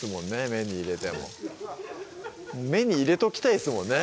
目に入れても目に入れときたいっすもんね